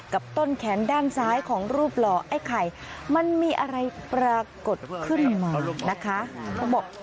ต้นแขนด้านซ้ายของรูปหล่อไอ้ไข่มันมีอะไรปรากฏขึ้นมานะคะเขาบอก